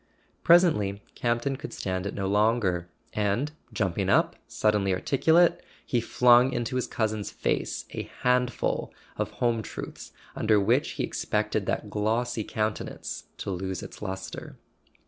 Presently Camp ton could stand it no longer, and, jumping up, suddenly articulate, he flung into his cousin's face a handful of home truths under which he expected that glossy countenance to lose its lustre.